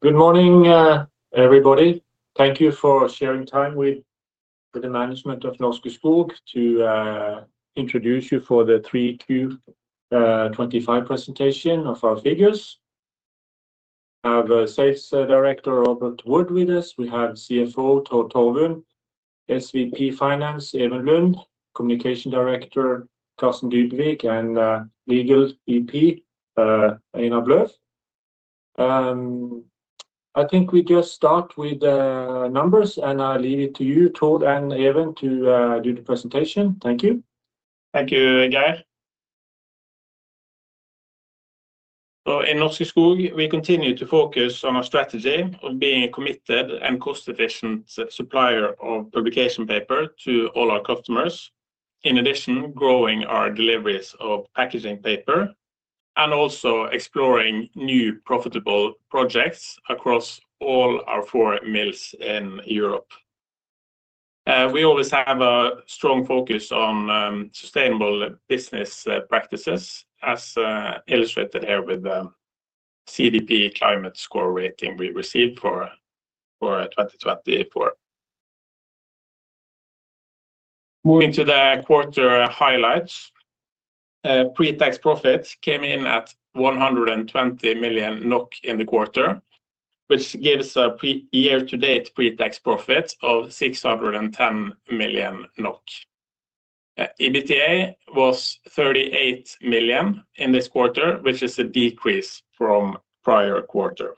Good morning, everybody. Thank you for sharing time with the management of Norske Skog to introduce you for the 3Q 2025 presentation of our figures. We have Sales Director Robert Wood with us. We have CFO Tord Torvund, SVP Finance Even Lund, Communication Director Carsten Dybevig, and Legal VP Einar Blaauw. I think we just start with the numbers, and I leave it to you, Tord, and Even, to do the presentation. Thank you. Thank you, Geir. In Norske Skog, we continue to focus on our strategy of being a committed and cost-efficient supplier of publication paper to all our customers. In addition, growing our deliveries of packaging paper and also exploring new profitable projects across all our four mills in Europe. We always have a strong focus on sustainable business practices, as illustrated here with the CDP climate score rating we received for 2024. Moving to the quarter highlights, pre-tax profit came in at 120 million NOK in the quarter, which gives a year-to-date pre-tax profit of 610 million NOK. EBITDA was 38 million in this quarter, which is a decrease from the prior quarter.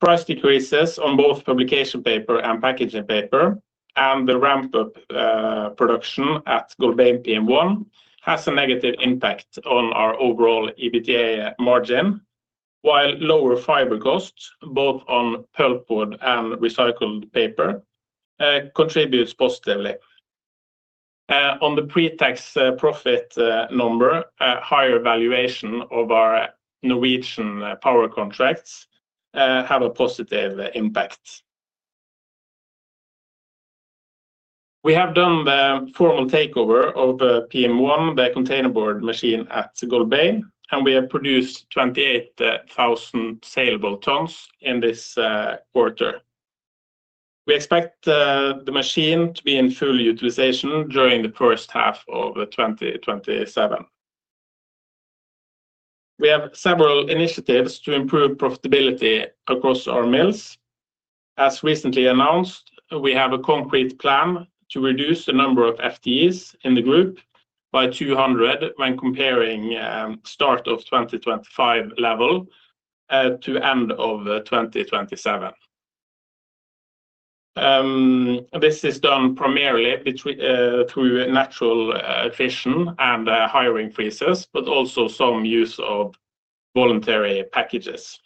Price decreases on both publication paper and packaging paper, and the ramp-up production at Golbey PM1 has a negative impact on our overall EBITDA margin, while lower fiber costs, both on pulpwood and recycled paper, contribute positively. On the pre-tax profit number, a higher valuation of our Norwegian power contracts had a positive impact. We have done the formal takeover of PM1, the containerboard machine at Golbey, and we have produced 28,000 salable tons in this quarter. We expect the machine to be in full utilization during the first half of 2027. We have several initiatives to improve profitability across our mills. As recently announced, we have a concrete plan to reduce the number of FTEs in the group by 200 when comparing the start of 2025 level to the end of 2027. This is done primarily through natural attrition and hiring freezes, but also some use of voluntary packages.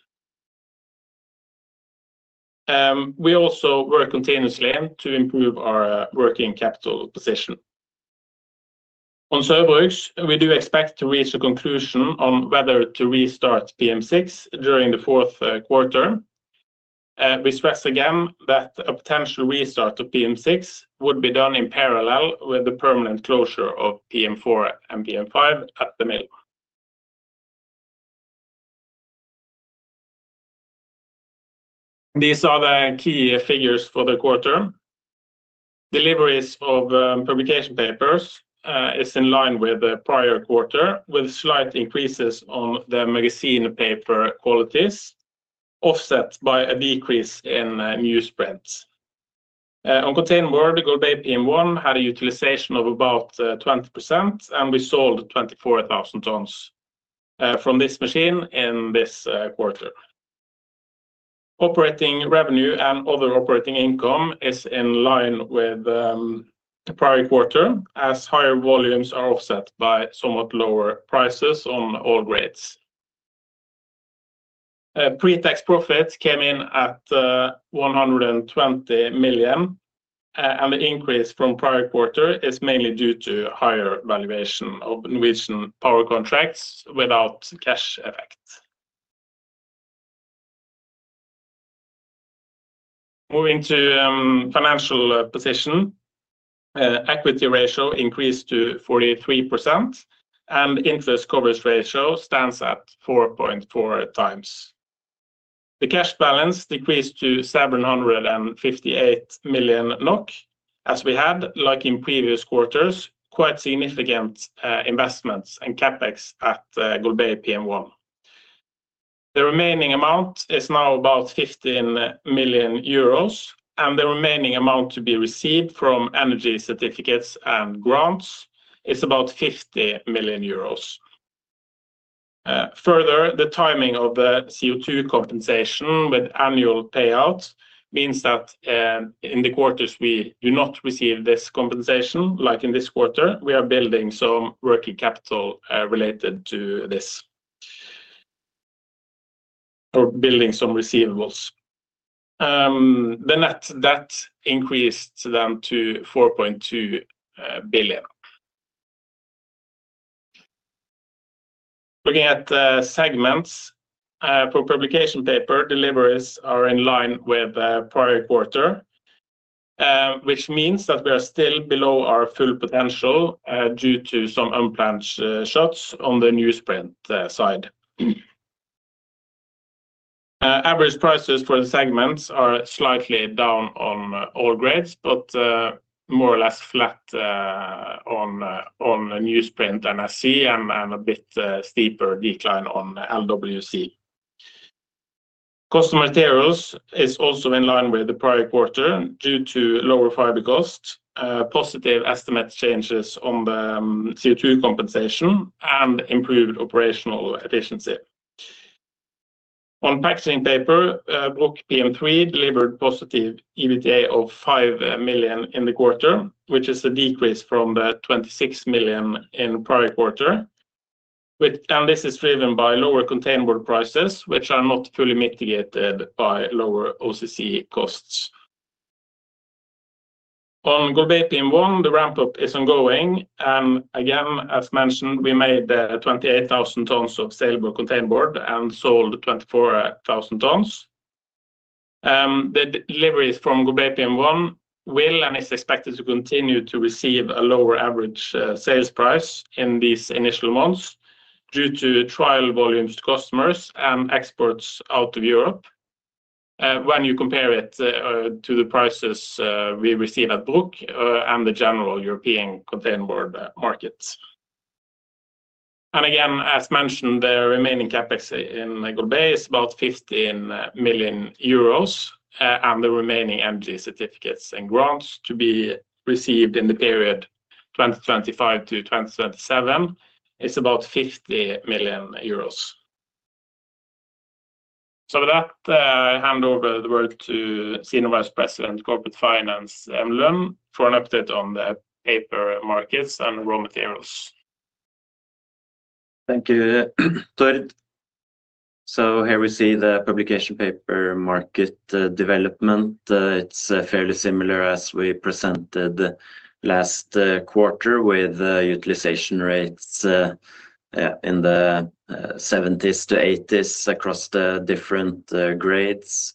We also work continuously to improve our working capital position. On Saugbrugs, we do expect to reach a conclusion on whether to restart PM6 during the fourth quarter. We stress again that a potential restart of PM6 would be done in parallel with the permanent closure of PM4 and PM5 at the mill. These are the key figures for the quarter. Deliveries of publication papers are in line with the prior quarter, with slight increases on the magazine paper qualities, offset by a decrease in newsprint. On containerboard, Golbey PM1 had a utilization of about 20%, and we sold 24,000 tons from this machine in this quarter. Operating revenue and other operating income are in line with the prior quarter, as higher volumes are offset by somewhat lower prices on all grades. Pre-tax profits came in at 120 million, and the increase from the prior quarter is mainly due to a higher valuation of Norwegian power contracts without cash effect. Moving to the financial position, the equity ratio increased to 43%, and the interest coverage ratio stands at 4.4x. The cash balance decreased to 758 million NOK, as we had, like in previous quarters, quite significant investments and CapEx at Golbey PM1. The remaining amount is now about 15 million euros, and the remaining amount to be received from energy certificates and grants is about 50 million euros. Further, the timing of the CO2 compensation with annual payout means that in the quarters we do not receive this compensation, like in this quarter, we are building some working capital related to this or building some receivables. The net debt increased then to NOK 4.2 billion. Looking at the segments, for publication paper, deliveries are in line with the prior quarter, which means that we are still below our full potential due to some unplanned shuts on the newsprint side. Average prices for the segments are slightly down on all grades, but more or less flat on newsprint and SC, and a bit steeper decline on LWC. Customer materials are also in line with the prior quarter due to lower fiber costs, positive estimate changes on the CO2 compensation, and improved operational efficiency. On packaging paper, Bruck PM3 delivered a positive EBITDA of 5 million in the quarter, which is a decrease from the 26 million in the prior quarter, and this is driven by lower containerboard prices, which are not fully mitigated by lower OCC costs. On Golbey PM1, the ramp-up is ongoing, and again, as mentioned, we made 28,000 tons of salable containerboard and sold 24,000 tons. The deliveries from Golbey PM1 will and is expected to continue to receive a lower average sales price in these initial months due to trial volumes to customers and exports out of Europe, when you compare it to the prices we receive at Bruck and the general European containerboard markets. As mentioned, the remaining CapEx in Golbey is about 15 million euros, and the remaining energy certificates and grants to be received in the period 2025 to 2027 is about 50 million euros. With that, I hand over the word to Senior Vice President Corporate Finance, Even Lund, for an update on the paper markets and raw materials. Thank you, Tord. Here we see the publication paper market development. It's fairly similar as we presented last quarter, with utilization rates in the 70%-80% range across the different grades.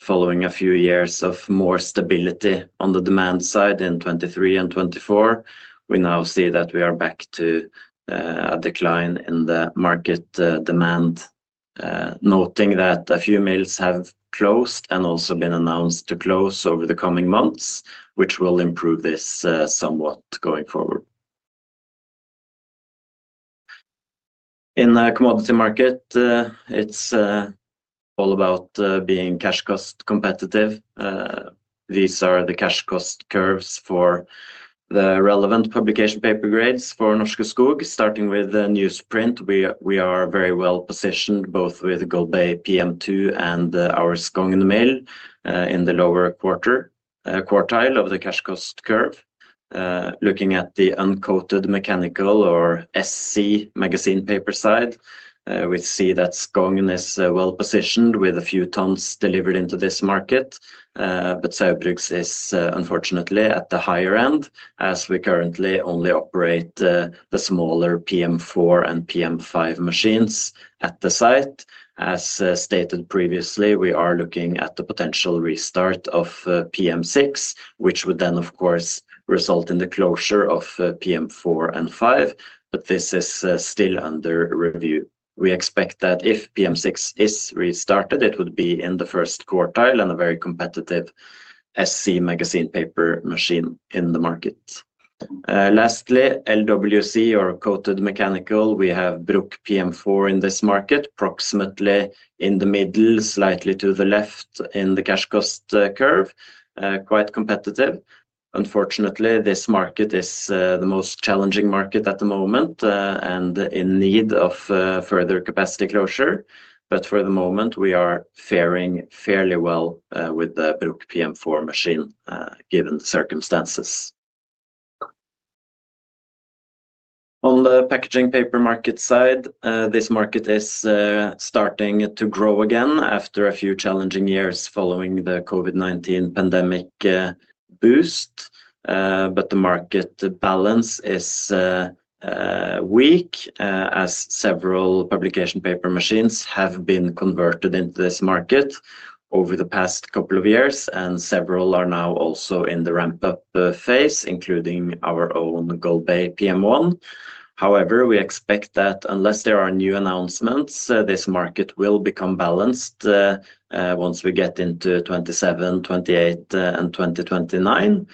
Following a few years of more stability on the demand side in 2023 and 2024, we now see that we are back to a decline in the market demand, noting that a few mills have closed and also been announced to close over the coming months, which will improve this somewhat going forward. In the commodity market, it's all about being cash cost competitive. These are the cash cost curves for the relevant publication paper grades for Norske Skog. Starting with the newsprint, we are very well positioned both with Golbey PM2 and our Skogn mill in the lower quartile of the cash cost curve. Looking at the uncoated mechanical or SC magazine paper side, we see that Skogn is well positioned with a few tons delivered into this market, but Saugbrugs is unfortunately at the higher end as we currently only operate the smaller PM4 and PM5 machines at the site. As stated previously, we are looking at the potential restart of PM6, which would then, of course, result in the closure of PM4 and PM5, but this is still under review. We expect that if PM6 is restarted, it would be in the first quartile and a very competitive SC magazine paper machine in the market. Lastly, LWC or coated mechanical, we have Bruck PM4 in this market, approximately in the middle, slightly to the left in the cash cost curve, quite competitive. Unfortunately, this market is the most challenging market at the moment and in need of further capacity closure, but for the moment, we are faring fairly well with the Bruck PM4 machine given the circumstances. On the packaging paper market side, this market is starting to grow again after a few challenging years following the COVID-19 pandemic boost, but the market balance is weak as several publication paper machines have been converted into this market over the past couple of years, and several are now also in the ramp-up phase, including our own Golbey PM1. We expect that unless there are new announcements, this market will become balanced once we get into 2027, 2028, and 2029,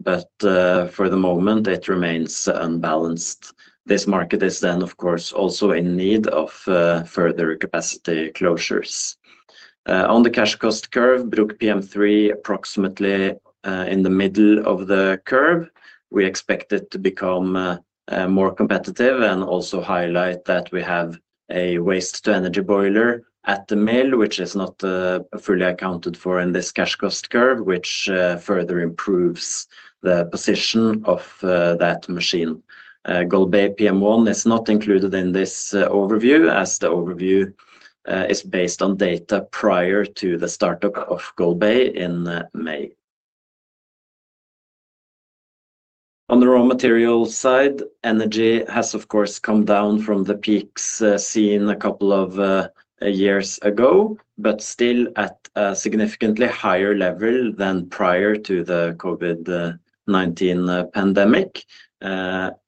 but for the moment, it remains unbalanced. This market is then, of course, also in need of further capacity closures. On the cash cost curve, Bruck PM3 is approximately in the middle of the curve. We expect it to become more competitive and also highlight that we have a waste-to-energy boiler at the mill, which is not fully accounted for in this cash cost curve, which further improves the position of that machine. Golbey PM1 is not included in this overview as the overview is based on data prior to the startup of Golbey in May. On the raw materials side, energy has, of course, come down from the peaks seen a couple of years ago, but still at a significantly higher level than prior to the COVID-19 pandemic.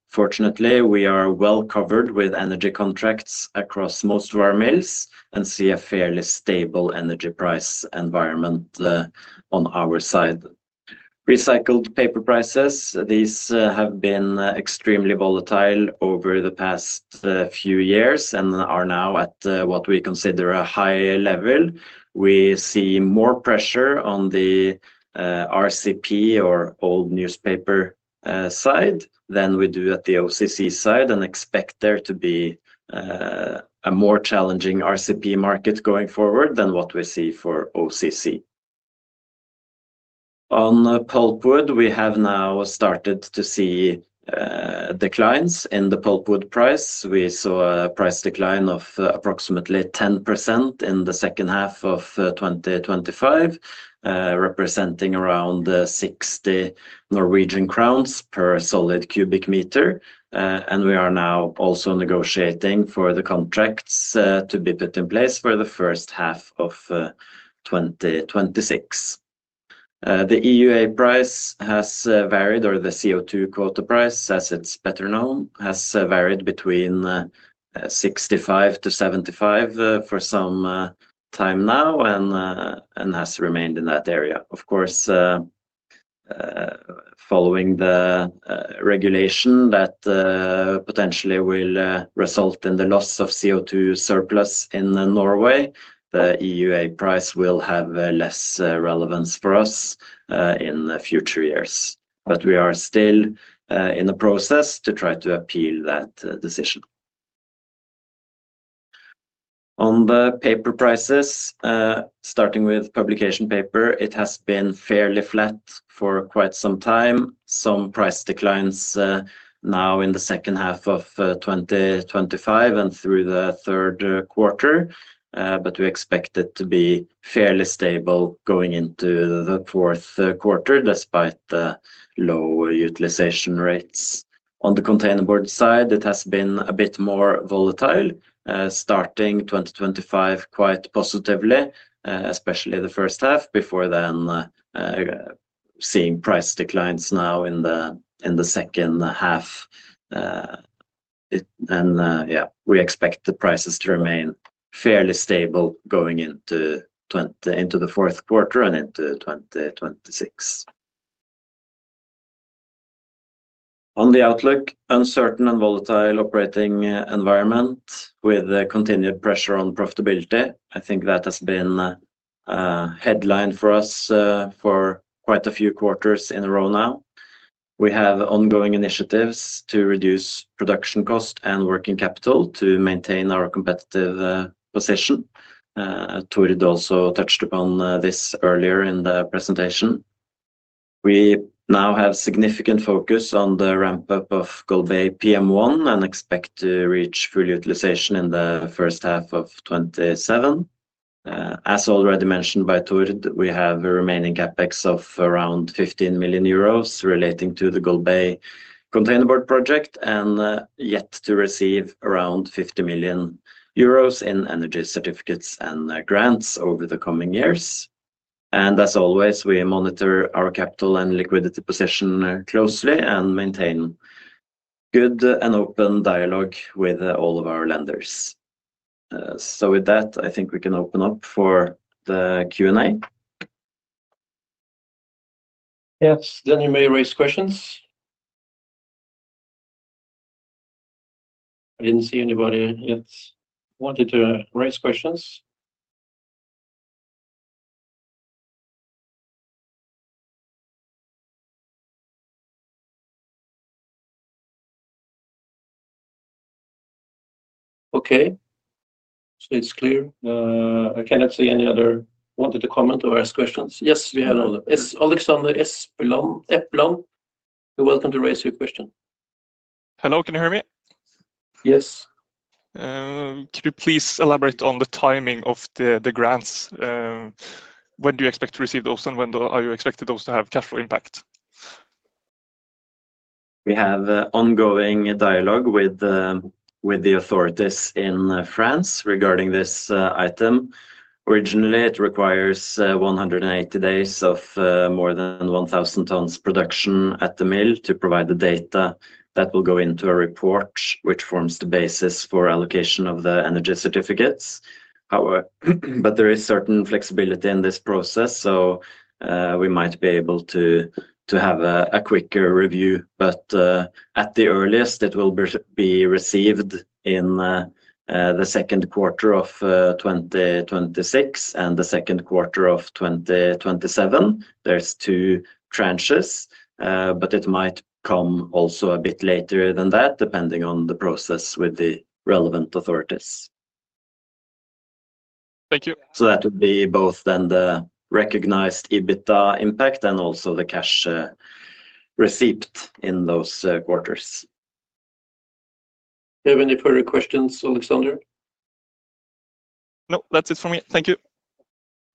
Fortunately, we are well covered with energy contracts across most of our mills and see a fairly stable energy price environment on our side. Recycled paper prices, these have been extremely volatile over the past few years and are now at what we consider a high level. We see more pressure on the RCP or old newspaper side than we do at the OCC side and expect there to be a more challenging RCP market going forward than what we see for OCC. On pulpwood, we have now started to see declines in the pulpwood price. We saw a price decline of approximately 10% in the second half of 2025, representing around 60 Norwegian crowns per solid cubic meter, and we are now also negotiating for the contracts to be put in place for the first half of 2026. The EUA price has varied, or the CO2 quota price, as it's better known, has varied between 65-75 for some time now and has remained in that area. Of course, following the regulation that potentially will result in the loss of CO2 surplus in Norway, the EUA price will have less relevance for us in future years, but we are still in the process to try to appeal that decision. On the paper prices, starting with publication paper, it has been fairly flat for quite some time. Some price declines now in the second half of 2025 and through the third quarter, but we expect it to be fairly stable going into the fourth quarter despite the low utilization rates. On the containerboard side, it has been a bit more volatile, starting 2025 quite positively, especially the first half. Before then, seeing price declines now in the second half, and we expect the prices to remain fairly stable going into the fourth quarter and into 2026. On the outlook, uncertain and volatile operating environment with continued pressure on profitability, I think that has been a headline for us for quite a few quarters in a row now. We have ongoing initiatives to reduce production costs and working capital to maintain our competitive position. Tord also touched upon this earlier in the presentation. We now have significant focus on the ramp-up of Golbey PM1 and expect to reach full utilization in the first half of 2027. As already mentioned by Tord, we have a remaining CapEx of around 15 million euros relating to the Golbey containerboard project and yet to receive around 50 million euros in energy certificates and grants over the coming years. As always, we monitor our capital and liquidity position closely and maintain good and open dialogue with all of our lenders. I think we can open up for the Q&A. Yes, you may raise questions. I didn't see anybody yet wanting to raise questions. Okay, it's clear. I cannot see any other wanting to comment or ask questions. Yes, we have Alexander Eppelon. You're welcome to raise your question. Hello, can you hear me? Yes. Could you please elaborate on the timing of the grants? When do you expect to receive those, and when are you expecting those to have cash flow impact? We have ongoing dialogue with the authorities in France regarding this item. Originally, it requires 180 days of more than 1,000 tons production at the mill to provide the data that will go into a report which forms the basis for allocation of the energy certificates. However, there is certain flexibility in this process, so we might be able to have a quicker review, but at the earliest, it will be received in the second quarter of 2026 and the second quarter of 2027. There are two tranches, but it might come also a bit later than that, depending on the process with the relevant authorities. Thank you. That would be both the recognized EBITDA impact and also the cash received in those quarters. Do you have any further questions, Alexander? No, that's it for me. Thank you.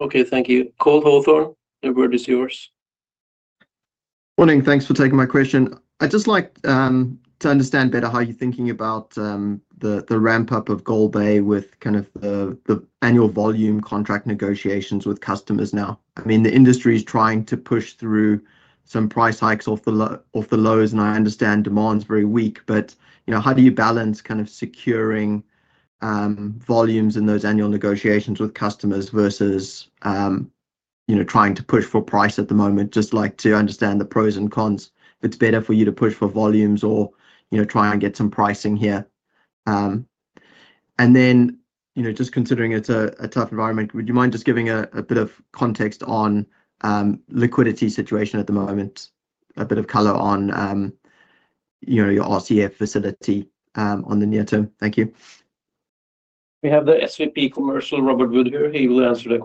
Okay, thank you. Cole Hawthorne, the word is yours. Morning, thanks for taking my question. I'd just like to understand better how you're thinking about the ramp-up of Golbey with kind of the annual volume contract negotiations with customers now. I mean, the industry is trying to push through some price hikes off the lows, and I understand demand is very weak, but you know how do you balance kind of securing volumes in those annual negotiations with customers versus you know trying to push for price at the moment? Just like to understand the pros and cons, if it's better for you to push for volumes or you know try and get some pricing here. Then, you know just considering it's a tough environment, would you mind just giving a bit of context on the liquidity situation at the moment? A bit of color on you know your RCF facility on the near term. Thank you. We have the SVP Commercial, Robert Wood, here. He will answer the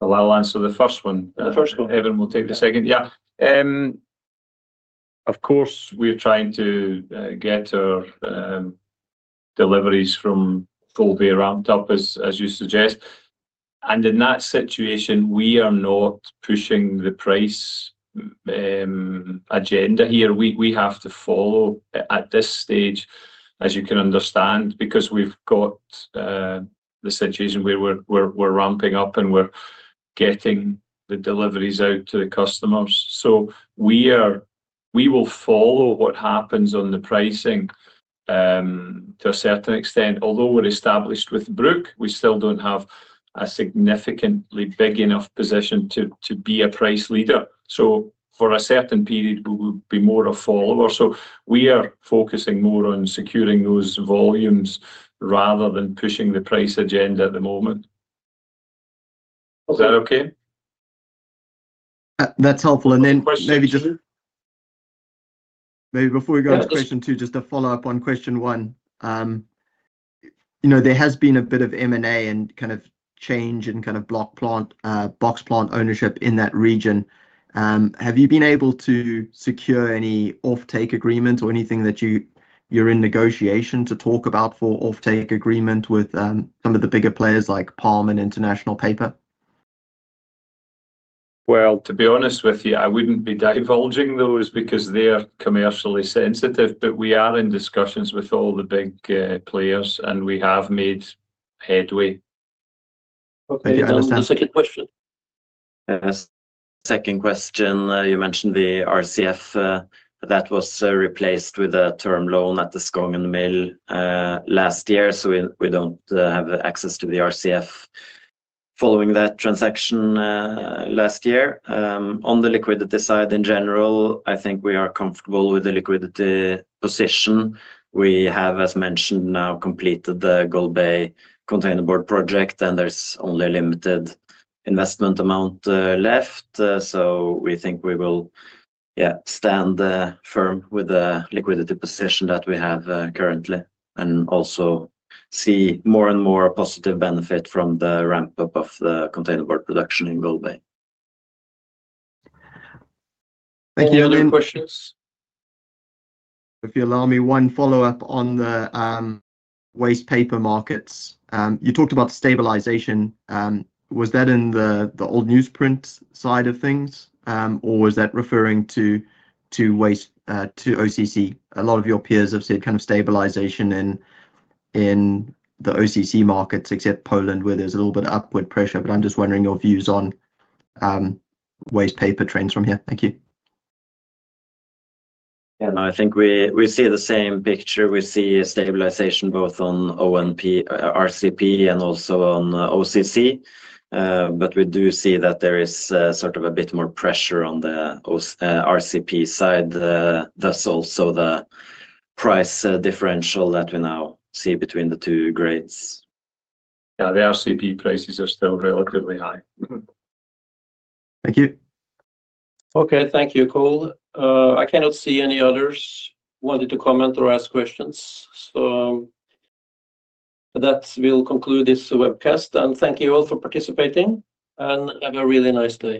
questions. I'll answer the first one. Of course, we're trying to get our deliveries from Golbey ramped up, as you suggest. In that situation, we are not pushing the price agenda here. We have to follow at this stage, as you can understand, because we've got the situation where we're ramping up and we're getting the deliveries out to the customers. We will follow what happens on the pricing to a certain extent. Although we're established with Bruck, we still don't have a significantly big enough position to be a price leader. For a certain period, we will be more of a follower. We are focusing more on securing those volumes rather than pushing the price agenda at the moment. Is that okay? That's helpful. Maybe just before we go on to question two, just a follow-up on question one. You know there has been a bit of M&A and kind of change in block plant box plant ownership in that region. Have you been able to secure any off-take agreements or anything that you're in negotiation to talk about for off-take agreement with some of the bigger players like Palm and International Paper? I wouldn't be divulging those because they're commercially sensitive, but we are in discussions with all the big players, and we have made headway. Okay. Do you understand the second question? Yes. Second question, you mentioned the RCF. That was replaced with a term loan at the Skogn mill last year, so we don't have access to the RCF following that transaction last year. On the liquidity side, in general, I think we are comfortable with the liquidity position. We have, as mentioned, now completed the Golbey containerboard project, and there's only a limited investment amount left. We think we will stand firm with the liquidity position that we have currently and also see more and more positive benefit from the ramp-up of the containerboard production in Golbey. Thank you. Any other questions? If you allow me one follow-up on the waste paper markets. You talked about stabilization. Was that in the old newsprint side of things, or was that referring to OCC? A lot of your peers have said kind of stabilization in the OCC markets, except Poland, where there's a little bit of upward pressure. I'm just wondering your views on waste paper trends from here. Thank you. I think we see the same picture. We see stabilization both on RCP and also on OCC, but we do see that there is sort of a bit more pressure on the RCP side. That's also the price differential that we now see between the two grades. Yeah, the RCP prices are still relatively high. Thank you. Okay, thank you, Cole. I cannot see any others wanting to comment or ask questions. That will conclude this webcast. Thank you all for participating, and have a really nice day.